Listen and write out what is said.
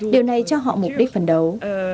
điều này cho họ mục đích phấn đấu